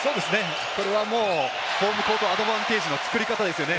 これはホームコートアドバンテージの作り方ですね。